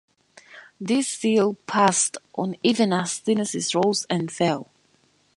This seal passed on even as dynasties rose and fell.